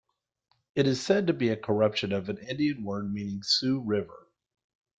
It is said to be a corruption of an Indian word meaning Sioux river.